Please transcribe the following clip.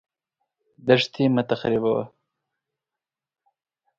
دښتې مه تخریبوه.